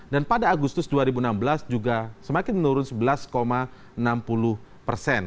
dan pada agustus dua ribu enam belas juga semakin menurun sebelas enam puluh persen